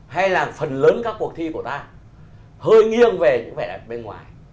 hay là phần lớn các cuộc thi của ta hơi nghiêng về những vẻ đẹp bên ngoài